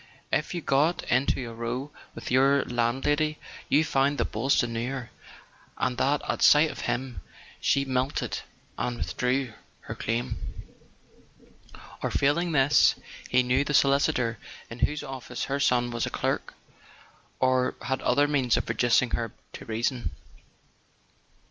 If you got into a row with your landlady you found that Boylston knew her, and that at sight of him she [ 164 ] A SON AT THE FRONT melted and withdrew her claim; or, failing this, he knew the solicitor in whose office her son was a clerk, or had other means of reducing her to reason.